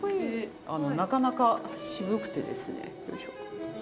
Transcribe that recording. なかなか渋くてですねよいしょ。